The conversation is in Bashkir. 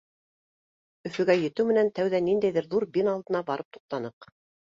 Өфөгә етеү менән тәүҙә ниндәйҙер ҙур бина алдына барып туҡтаныҡ.